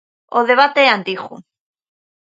O debate é antigo.